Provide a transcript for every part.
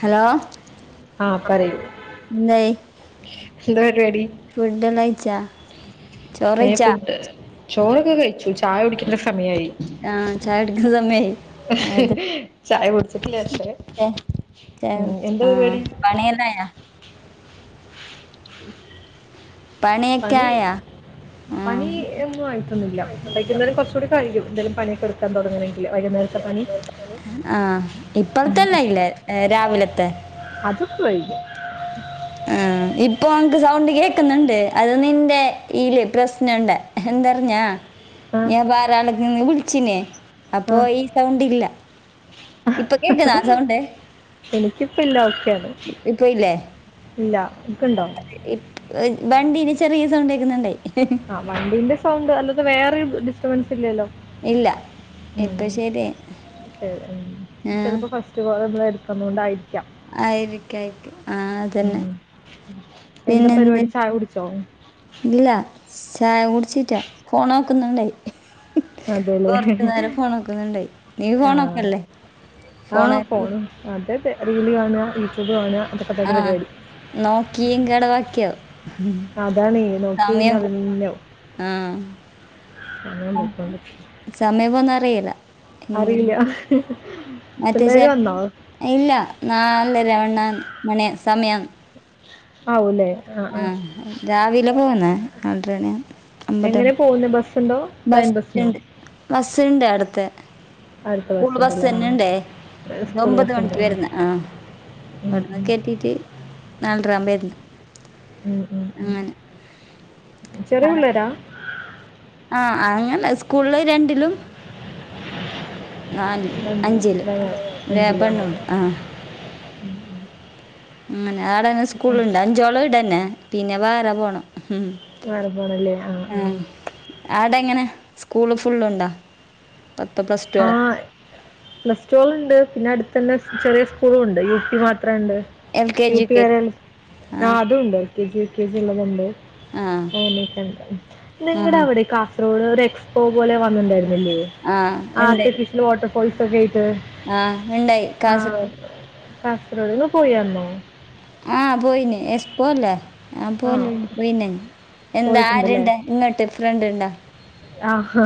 Hello ആഹ് പറയൂ എന്താ പരിപാടി ഫുഡ്‌ കയിച്ചാ ഇനി ഫുഡ് ചോറൊക്കെ കഴിച്ചു ചായ കുടിക്കേണ്ട സമയായി ആഹ് ചായടിക്കുന്ന സമയായി അത ചായ കുടിച്ചിട്ടില്ല പക്ഷേ ചായു ഉം എന്താ ആഹ് പരിപാടി പണിയെല്ലായൊ? പണിയൊക്കെ പണി ആയാ ആ പണി ഒന്നും ആയിട്ടൊന്നില്ല വൈകുന്നേരം കൊറ്ച്ചൂട കഴിയും എന്തേലും പണി ഇട്ക്കാൻ തൊട്ങ്ങണെങ്കില് വൈകുന്നേരത്തെ പണി, ആഹ്, ഇപ്പൾത്തെല്ലാ ആയിലെ രാവിലത്തെ, അതൊക കയ്ഞു ആഹ് ഇപ്പൊ ഓൻക്ക് സൗണ്ട് കേക്ക്ന്ന്ണ്ട് അത് നിന്റെ ഈല് പ്രശ്നണ്ട്, എന്തർഞ്ഞാ ആഹ് ഞാ ബാറാള്ന്ന് നിന്ന് വുള്ച്ചീന് അപ്പൊ ഈ സൗണ്ടില്ല, എനിക്കിപ്പൊ ഇല്ല ഓക്കെയാണ്, ഇപ്പൊ ഇല്ല, ഇക്ക്ണ്ടൊ? ഇ വണ്ടീന് ചെറീ സൗണ്ടേക്ക്ന്ന്ണ്ടെ, ആഹ് വണ്ടിന്റെ സൗണ്ട് അല്ലാതെ വേറൊര് ഡിസ്റ്റർബൻസ് ഇല്ലലൊ, ഇല്ല ഉം ഇപ്പൊ ശരിയായി ഉം ചേ ഉം ആ ചെൽപ്പൊ ഫസ് എടുക്കുന്നോണ്ടായിരിക്കും, ആയിരിക്ക ആയിരിക്ക ആഹ് അതന്നെ, ഉം എന്താ പിന്നെന്ത് പര്പാടി ചായ കുടിച്ചോ? ഇല്ല ചായ കുട്ച്ചീറ്റാ ഫോണോക്ക്ന്നുണ്ടെയ്, അതേല്ലേ കൊറ്ച്ചു നേരം ഫോണോക്ക്ന്ന്ണ്ടെയ്, നീ ഫോണൊക്കല്ലെ? ആഹ് ഫോണ് അതെ അതെ റീല് കാണ യൂട്യൂബ് കാണ അതൊക്കെ തന്നെ പരിപാടി, നോക്കീം കടവാക്ക്യോ അതാണേ നോക്കിയ സമയം പോ ആഹ്, അങ്ങനെ പൊയ്കോണ്ട്ക്ന്ന്, സമയം പോന്ന അറിയേല, അറിയില്ല, മറ്റെ പിള്ളേര് ച വന്നോ? ഇല്ല നാലരവണ്ണ മണി സമയം, ആവുലേ, ആഹ് രാവിലെ പോന്ന് രണ്ട്രര മണിയ അമ്പതര പോക്ന്ന ബസ് ട്ട്ണ്ടോ? ബസ്സ് ഇണ്ട് ബസ്സ് ഇണ്ട് അവിട്ക്ക് അടുത്ത സ്കൂൾ ബസ്സുണ്ടല്ലേ ആ ബസ്സന്നെ ഇണ്ടേ സ്കൂൾ ഒമ്പത് ബസ്സുണ്ട് മണിക്ക് ആ വര്ന്ന, ആഹ്, ഉം അവിട്ന്ന് ഉം കേട്ടിട്ട് നാലരാ ബര്ന്ന്, ഉം ഉം ഉം ചെറിയ പിള്ളാരാ? ആഹ് അങ്ങനെ സ്കൂള്ല് രണ്ടിലും, നാല് അഞ്ചില് രാ പെണ്ണുണ്ട്, ആഹ് ഉം ഉം അങ്ങനെ ആടന്നെ സ്കൂള്ണ്ട് അഞ്ചോളം ഈടെന്നെ പിന്ന വേറ പോണം ഉം, വേറ പോണല്ലെ ആഹ് ആഹ്, ആടെ എങ്ങന സ്കൂള് ഫുള്ള്ണ്ടൊ പത്ത് പ്ലസ് ആ ട്ടോള ആ പ്ലസ് ട്ടോള്ണ്ട് പിന്ന അട്ത്തെന്നെ ചെറിയ സ്കൂളുണ്ട് യൂ പി മാത്രണ്ട്, L K U G U P K G വരേണ്ട്, ആഹ് അതൂണ്ട്, യൂ കെ ജി ഉള്ളത്ണ്ട് ആഹ് അങ്ങനെക്കണ്ട് നിങ്ങടെ ആഹ് അവിടെ കാഫ റോഡ് ഒര് എക്സ്പോ പോലെ വന്നിണ്ടായിര്ന്നില്ലെ ആഹ് ആർട്ട് ഇണ്ടായി ഫിഷൽ വാട്ടർ ഫോൾസൊക്ക ആയിട്ട്, ആഹ് ഇണ്ടായി കാസർഗോഡ്, കാസ്രറ്ഗോഡ്ക് പോയി വന്നോ, ആഹ് പോയീനി എസ് പോല്ലേ ആഹ് ആ പോല് പോയീനി എന്താ പോയിട്ടുണ്ടല്ലേ ആരുണ്ട് ഇങ്ങോട്ട് ഡിഫറൻറ്ണ്ടോ ആഹ്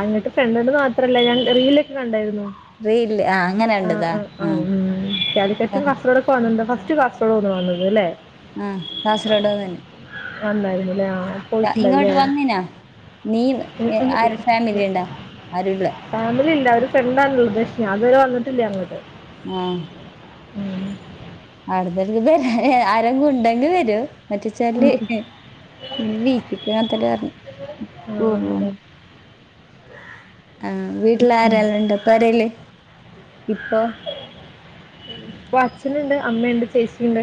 അങ്ങിട്ട് ചെന്നന്ന് മാത്രല്ല ഞാൻ റീലൊക്കെ കണ്ടായിരുന്നു. റീല് ആഹ് അങ്ങനെ ആഹ് കണ്ടതാ ആഹ് ആഹ് കാലിക്കറ്റും ആഹ് കാസറോട ഫസ്റ്റ് കാസ്ഡ് ഒന്ന് വന്നത് അല്ലേ ആഹ് കാസർഗോഡ് തന്നെ നണ്ടായിരുന്ന്ല്ലേ ഇങ്ങോട്ട് പോയിട്ടുണ്ടില്ലേ വന്നിനാ നീ എ ആര് ഫാമിലി ഇണ്ടാ ആരുല്ല [unintelligible] ഫാമിലി ഇല്ല ഒരു ഫ്രണ്ടാണല്ലോ ഉദേക്ഷിനി അതുവരെ വന്നിട്ടില്ലേ അങ്ങോട്ട് ആഹ് ഉം. അവിടുന്നക്ക് വരാ ആരെങ്കും ഉണ്ടെങ്കിവരും ഉം. മാറ്റിച്ചാല് പിന്നെ വീച്ച്ക്ക്ങ്ങത്തല്ലർ ആ പറയും അതെ ആഹ് വീട്ടില് ആരെല്ലാംണ്ട് പെരേല് ഇപ്പൊ അപ്പൊ അച്ഛനുണ്ട് അമ്മയുണ്ട് ചേച്ചിയുണ്ട്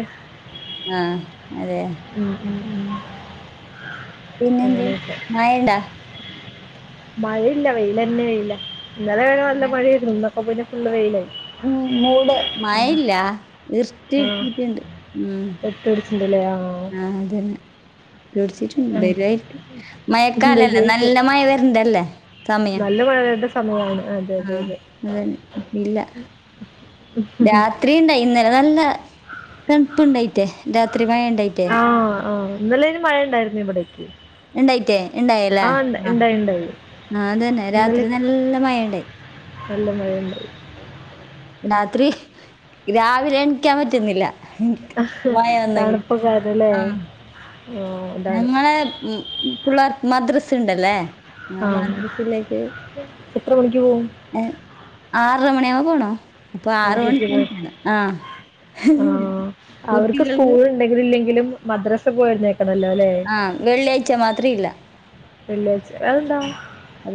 ആഹ് അതെ [unintelligible] പിന്നെന്ത് അങ്ങനെയൊക്കെ മഴണ്ടാ മഴയില്ല വെയിലന്നെ വെയിലാ ഇന്നലെ വേ നല്ല മഴായിരുന്നു ഇന്നൊക്കെ പോയിന്നെ ഫുള്ള് വെയിലായി ഉം മൂട് ഉം. മഴയില്ല ഇർത്തി ഇട്ടിട്ടുണ്ട് ഉം ടിച്ചിട്ടല്ലേ ആഹ് ആഹ് അതന്നെ വേട്ച്ചിട്ട് ഉം. വരുആയിരിക്കും മഴക്കാലല്ലേ വരുമായിരിക്കും നല്ല മഴ വരണ്ടല്ലേ സമയം. നല്ല മഴയുടെ സമയമാണ് അതെ അതെ ആഹ് അതെ അതന്നെ ഇപ്പ ഇല്ല രാത്രി ഉണ്ടായി ഇന്നലെ നല്ല തണുപ്പുണ്ടായിറ്റേ രാത്രി മഴുണ്ടായിട്ടേ. ഇന്നലായ്ന് മഴ ഉണ്ടായിരുന്നു ഇവിടേക്ക് ഉണ്ടായിട്ടേ ഉണ്ടായില്ലേ ആ ഉണ്ട- ആഹ് ഉണ്ടായി ഉണ്ടായി ആഹ് അതന്നെ ഇന്നലെ രാത്രി നല്ല മഴ ഉണ്ടായി. നല്ല മഴയുണ്ട് രാത്രി രാവിലെ എണിക്കാൻ പറ്റുന്നില്ല. മഴ വന്നെങ്കി. തണുപ്പൊക്കാരുന്നല്ലേ ആഹ്. ഞങ്ങളെ ഉം പിള്ളർക്ക് മദ്രസ ഉണ്ടല്ലേ ആ ആഹ് മാദ്രസിലേക്ക് എത്ര മണിക്ക് പോവും ഏഹ് ആറര മണിയുമ്പ പോണോ അപ്പൊ ആറ് ആറരയ്ക്ക് പോവും മണിക്ക് ആഹ് ആ അവർക്ക് കുട്ടികൾ [unintelligible] ഇല്ലെങ്കിലും മദ്രസ പോയിരുന്നേ നിക്കണല്ലോല്ലേ ആഹ് വെള്ളിയാഴ്ച്ച മാത്രില്ല വെള്ളിയാഴ്ച്ച അതെന്താ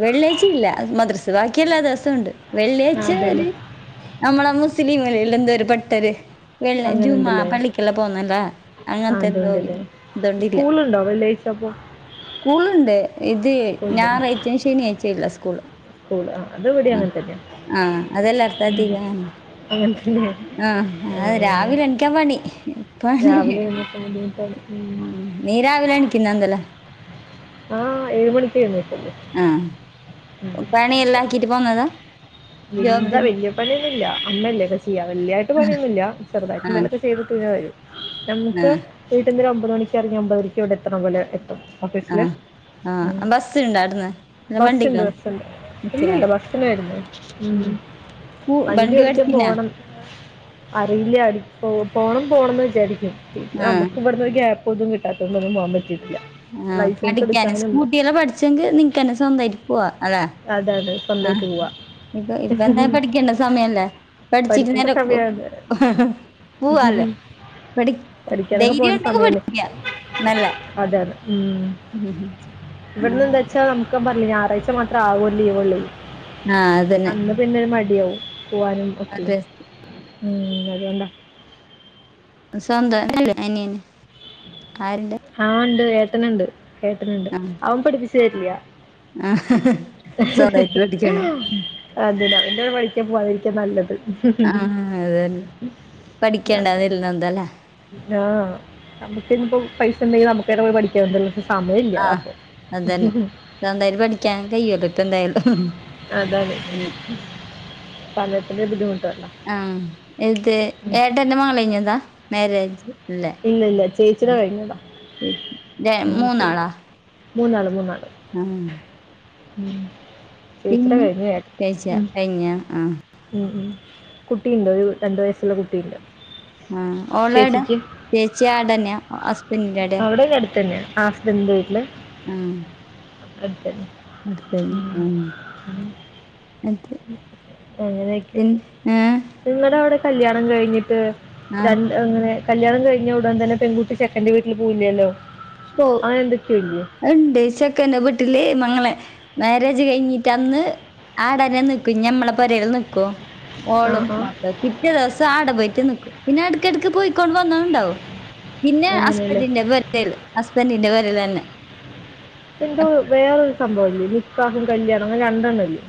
വെള്ളിയാഴ്ച ഇല്ല മദ്രസ് ബാക്കിയെല്ലാ ദിവസോണ്ട് ആ വെള്ളിയാഴ് ഒരു അതെല്ലേ നമ്മളെ മുസ്ലിമ്ലില്ല് എന്തോ ഒരു പെട്ടര് വെള്ളി അങ്ങനെ ജുമാ ഉണ്ടല്ലേ പള്ളിക്കെല്ലാം പോന്നല്ലേ അങ്ങനത്തെ എന്തോ ഇതുകണ്ടല്ല ഉണ്ടോ വെള്ളി ചപ്പോ സ്കൂളുണ്ട് ഇത് ഞായറാഴ്ച്ചും ശനി അയച്ചല്ല സ്കൂള് സ്കൂൾ ആ അത് ഇവിടെ ആഹ് അങ്ങനെ തന്നെ ആഹ് അതല്ല അർഥായ്ച ആഹ് പിന്നെ ആഹ് അത് രാവിലെ എനിക്കാൻ പണി പണി രാവിലെ എഴ്ന്നേക്ക്ണത് ബുദ്ധിമുട്ടാണ് ഉം നീ രാവിലെ [unintelligible] ആഹ ഏഴ് മണിക്ക് എഴുന്നേക്കൊള്ളു ആഹ പണി ഇല്ലാക്കിട്ട് പോന്നതാ വെൽതാ ജോബിന് വല്യ പണിയൊന്നുംല്ല അമ്മല്ലേക്കെ ചെയ്യ വല്യായിട്ട് പണിയൊന്നുല്ല ചെറുതായിട്ട് ആ എന്തേലൊക്കെ ചെയ്ത്ട്ട് പിന്നെ വരും ആ നമുക്ക് വീട്ടിൽ ഒരു ഒമ്പത് മണിക്ക് ഇറങ്ങി അമ്പതരക്ക് ഇവിടെ എത്ത്ണ പോലെ എത്തും ആ ഓഫീസില് ഉം ആ ബസ് ഉണ്ടോ അവിടുന്ന് അല്ല ബസ് വണ്ടിക്ക് ഇണ്ട് വന്ന് ബസ്ണ്ട് ഇല്ലല്ല ബസ്സിലാണ് ബസിനാ വരുന്നേ ഉം സ്കൂ വണ്ടി പടിക്കാൻ പഠിച്ചിനാ പോണം അറിയില്ല അ പോണം പോണംന്ന് വിചാരിക്കും പിന്ന ആ നമ്മുക്ക് ഇവിടുന്ന് ഒര് ഗ്യാപ്പ് ഒന്നും കിട്ടാത്തൊന്നും പോവാൻ പറ്റിട്ടില്ല ആഹ പഠിക്കാന് സ്കൂട്ടി എല്ല പഠിച്ചെങ്കിൽ നിക്ക്ന്നെ സ്വന്തായിട്ട് പോവാ അതാ അതാണ് സ്വന്തായിട്ട് പോവാ ഇപ്പ ഇപ്പ എന്തായാലും പഠിക്കേണ്ട സമയല്ലേ പഠിച്ചിട്ട് പഠിക്കേണ്ട നേര സമയമാണ് [unintelligible] പഠി പഠിക്കാനൊക്കെ ധൈര്യം പോകേണ്ട ഉണ്ടെങ്കി സമയമാണ് പഠിക്ക നല്ല അതെ അതെ ഉം ഇവിട്ന്ന് ആഹ് എന്താച്ച നമുക്ക് ഞാൻ പറഞ്ഞില്ലേ ഞായറാഴ്ച മാത്രെ ആകൊര് ലീവൊള്ളെയ് ആഹ അന്ന് പിന്നൊരു മടി ആവും പോവാനും ഒക്കെ അതെ ഉം അതുകൊണ്ടാ സ്വന്തംല്ല അനിയന് ആരുണ്ട് ആഹ ഉണ്ട് ഏട്ടന്ണ്ട് ഏട്ടനുണ്ട് ആഹ് അവൻ പഠിപ്പിച്ചു തരില്യ ആഹ് [unintelligible] സ്വന്തായിട്ട് പഠിക്കണം അതെന്ന അവന്റെ ഒരു വഴിക്ക് പോവാതിരിക്ക നല്ലത് ആ അതെ [unintelligible] എന്തല്ലേ ആഹ് നമ്മ്ക്കെനിപ്പൊ പൈസ ഇണ്ടെങ്കിൽ നമുക്ക്ന്നെ പോയി പഠിക്കാംല്ലോ സമയ ആഹ അതന്നെ എന്തായാലും പഠിക്കാൻ കയ്യോല്ലോ ഇപ്പ എന്തായാലും അതെ അതെ സമയത്തിന്റെ ബുദ്ധിമുട്ടോണ്ട ആ ഇത് ഏട്ടന്റെ മംഗലം കഴിഞ്ഞതാ മാരേജ് ഇല്ല ഇല്ല ചേച്ചിടെ കഴിഞ്ഞതാ ര ഉം മൂന്നാളാ മൂന്നാള് മൂന്നാള് ആഹ് ഉം ചേച്ചിടെ പിന്നെ കഴിഞ്ഞു ഏട്ടൻ കഴിച്ച ഉം കഴിഞ്ഞ ആഹ് ഉം ഉം കുട്ടി ഉണ്ട് ഒരു രണ്ട് വയസ്സുള്ള കുട്ടി ഇണ്ട് ആഹ് ഓളെട ചേച്ചി ആടെന്നെയ ഹസ്പന്റെന്റെ ആടെ ഇവിടടുത്തന്നെയാ ആഹ് ഹസ്ബന്റിന്റെ വീട്ടില് ആഹ് അടുത്തന്നെ അടുത്തന്നെ ഉം എന്ത് ഏഹ് നിങ്ങടെ അവിടെ കല്യാണം കഴിഞ്ഞിട്ട് ആഹ് രണ് അങ്ങനെ കല്യാണം കഴിഞ്ഞ ഉടൻ തന്നെ പെൺകുട്ടി ചെക്കൻന്റെ വീട്ടിൽ പോവില്ലല്ലോ അങ്ങനെ എന്തൊക്കെയോ ഇല്ലേ ഇണ്ടെ ചെക്കന്റെ വീട്ടില് മങ്ങനെ മാരേജ് കഴിഞ്ഞിട്ട് അന്ന് ആടെന്നെ നിക്കും ഞമ്മളെ പൊരേല് നിക്കും ആ ഓളും ആ മാപ്പിളെ പിറ്റേ ദിവസം ആടെ പോയിട്ട് നിക്കും പിന്നെ എടക്കെടക്ക് പോയിക്കോണ്ട് വന്ന്ണ്ടാവോ പിന്നെ അങ്ങനെയല്ലേ അസ്ബന്റിന്റെ പൊരക്കേര്ല് അസ്ബന്റിന്റെ പൊരേല് തന്നെ എന്തോ വേറൊരു സംഭവല്ലേ നിക്കാഹും കല്യാണം അങ്ങനെ രണ്ടെണ്ണല്ലേ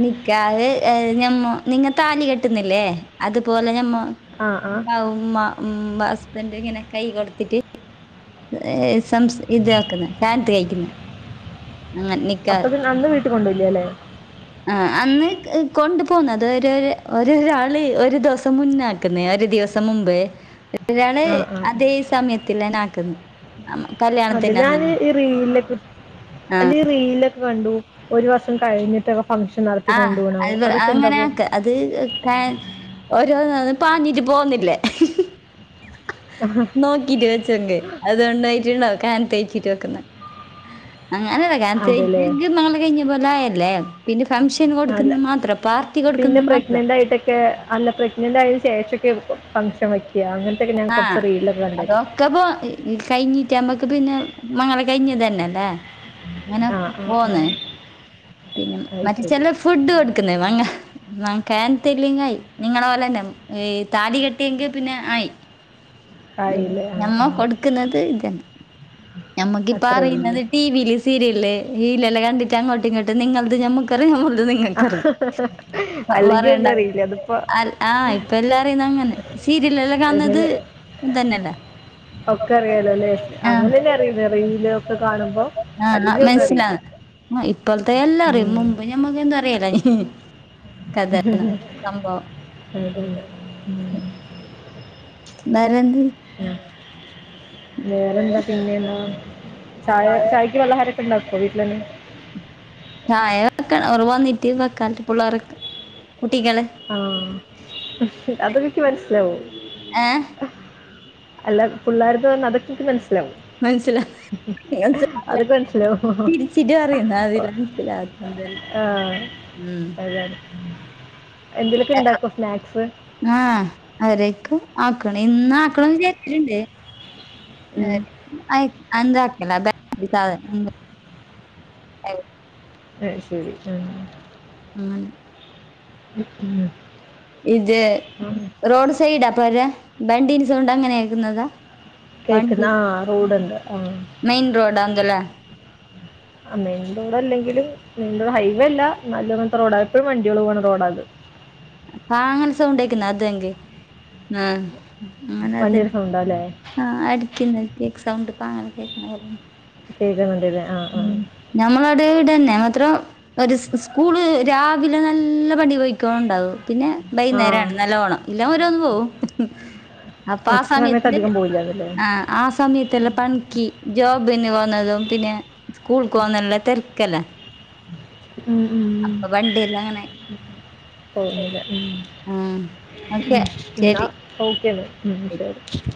നിക്കാഹ് ഏഹ് ഞമ്മോ നിങ്ങള് താലി കെട്ടുന്നില്ലേ അതുപോലെ ഞമ്മോ ആഹ് ആഹ് ഉമ്മ മ്മ ഹസ്ബന്റ് ഇങ്ങനെ കൈ കൊടുത്തിട്ട് ഏഹ് സംസ് ഇതാക്ക്ന്നെ കാനോത്ത് കഴിക്കിന്നെ അങ്ങനെ നി അപ്പത് അന്ന് വീട്ട് കൊണ്ടോവില്ലല്ലേ ആഹ് അന്ന്ക്ക് കൊണ്ടു പോന്ന അത് ഒരോര് ഒരോര് ആള് ഒരു ദിവസം മുന്നാ ക്ക്ന്നെ ഒരു ദിവസം മുമ്പേ [unintelligible] ഒരാള് ആ ആ അതെ ഈ സമയത്തിലന്നെ ആക്ക്ന്ന് [unintelligible] കല്യാണത്തിന് അന്നന്ന് [unintelligible] അല്ലെ റീലൊക്കെ കണ്ടു ഒരു വർഷം കഴിഞ്ഞിട്ടൊക്ക ഫംഗ്ഷൻ നടത്തി ആഹ് കൊണ്ടോണാവോ അത് അതൊക്കെ അങ്ങനെ എന്താവും ആക്ക അത് ഏഹ് ഏഹ് ഓരോന്ന് വന്ന് പാഞ്ഞിട്ട് പോന്നില്ലേ ആഹ നോക്കിട്ട് വെച്ചങ്കി അതു ഉണ്ടായിട്ട്ണ്ടാവും കാനോത്ത് [unintelligible] വെക്കുന്നെ അങ്ങനല്ല കനോത്ത് [unintelligible] അതെല്ലേ മംഗലം കഴിഞ്ഞ പോലെ ആയല്ലേ പിന്നെ ഫംഗഷ് അല്ലെ പിന്നെ മാത്രം. പ്രഗ്നന്റായിട്ടക്കെ അല്ല പ്ര ഗ്നന്റായേന് ശേഷൊക്കെ വെക്കു ഫംഗ്ഷൻ വെക്ക്യാ അങ്ങ ആഹ് അതോ ക്കപ്പോ ഏഹ് കഴിഞ്ഞിട്ട് അമ്മക്ക് പിന്നെ മംഗലം കഴിഞ്ഞതന്നല്ലെ ഇങ്ങനെ ആ ആ ആ പോന്നേ പിന്നെ അത് മറ്റേ ശരി ചെലെ ഫുഡ് കൊടുക്കുന്നെ മംഗ [unintelligible] കനോത്ത്ല്ങ്ങായി നിങ്ങളെ പോലെന്നെ ഏഹ് താലി കെട്ടിയെങ്കിൽ പിന്നെ ആയി ഉം ആയില്ലേ ആ ഞമ്മ ആ കൊട്ക്ക്ന്നത് ഇതന്നെ ഞമ്മക്കിപ്പ അത്രേ ഉള്ളൂ അറിയ്ന്നത് ടീവില് സീരിയല്ലെ ഇല്ലല്ലാ കണ്ടിട്ട് അങ്ങോട്ടും ഇങ്ങോട്ടും നിങ്ങള്ത് ഞമ്മക്കറിയാ ഞമ്മള്ത് നി ങ്ങക്കറിം വ അല്ലെങ്കിൽ പറയണ്ട ഒന്നും അറിയില്ല അതിപ്പോ അല് ആഹ് ഇപ്പ എല്ലാം അറിയിന്നെ അങ്ങനെ സീരിയല് എല്ലാം കാണ്ന്നത് എങ്ങനെ ഇതെന്നല്ലേ ഒക്കെ അറിയാലോല്ലേ അങ്ങനെന്നെ അറിണത് റീലൊക്കെ കാണുമ്പോ അല്ലെങ്കിൽ ഒന്നും അറീല്ലാ മാ ഇപ്പോള്ത്തെ എല്ലാ അറിം മുമ്പ് ഞ ഞമ്മുക്ക് എന്തും അറിയെല്ലേനി കഥ [unintelligible] സംഭവം അതെ ഉം നരന്തി ആഹ് വേറെന്താ പിന്നേന്നാ ചായ ചായക്കി പലഹാരക്കെ ഇണ്ടാക്കോ വീട്ടിലന്നെ ചായ വെക്കണം ഓർ വന്നിട്ട് വെക്കാ പുള്ളാർക്കെ കുട്ടികള് ആഹ് അത് എനിക്ക് മന്സ്സിലാവും ഏഹ് അല്ല പുള്ളാര്ന്ന് പറഞ്ഞ അതൊക്കെ ഇന്ക്കി മന്സ്സിലാവും മന്സ്സിലാ അതൊക്കെ മനസ്സിലാവും ചിരിച്ചിട്ട് പറയുന്ന അത് [unintelligible] മന്സ്സിലാത്തെ ആഹ് [unintelligible] അതാണ് എന്തെലെക്കെ ഇണ്ടാക്കും സ്നാക്സ് ആഹ് അവരേക്കും ആക്കണം ഇന്ന് ആക്കണന്ന് വിചാരിച്ച്ട്ട്ണ്ട് ഉം ഏഹ് [unintelligible] അഹ് ഏന്താക്കലാ [unintelligible] അയ് ശരി ആഹ് അങ്ങനെ ഉം ഇത് ഉം റോഡ് സൈഡാപ്പോരാ ബണ്ടീൻ്റെസൗണ്ട് അങ്ങനെയ ആക്കുന്നതാ വണ്ടി കേക്ക്ന്ന് ആഹ് റോഡ്ണ്ട് മെയിൻറോഡാ അതുല അ മെയിൻറോഡ് അല്ലെങ്കിലും മെയിൻ റോഡ് ഹൈവേ അല്ല നല്ലങ്ങനത്തെ റോഡാ എപ്പോഴും വണ്ടികള് പോകാണ് റോഡ അത് പാങ്ങൽസൗണ്ടക്കുന്ന അതെങ്കി ആഹ് അങ്ങനെ വണ്ടിയുടെ അതന്നെ സൗണ്ടാല്ലേ ആഹ് അടുക്കിന്ന് എക്സൗണ്ട് പാങ്ങനെ കേക്കണപോലുണ്ട് ചെയ്ത മതിയല്ലെ ആഹ് ആഹ് നഞമ്മളടെ ഇടെന്നെ മാത്രം ഒരു സ്കൂള് രാവിലെ നല്ല പടി പോയി ക്കോം ഉണ്ടാവും പിന്നെ വൈകുന്നേരണ് ആഹ് നല്ലവോണം ഇല്ലാം ഓരോന്ന് പോവും അപ്പാ ആഹ് ഉച്ച സമയത്ത് സമയത്തില് അധികം പോവില്ലാന്ന്ല്ലേ ആഹ് ആ സമയത്തല്ലാം പണിക്ക് ജോബിന് പോന്നതും പിന്നെ സ്കൂൾക്ക് പോന്നല്ല തിരക്കല്ലെ ഉം ഉം വണ്ടിയെല്ലാം അങ്ങനെ പോവുന്നില്ല ഉം ഉം ഉം ഓക്കെ എന്നാ ശരി ഓക്കെയാണ് ഉം ശരി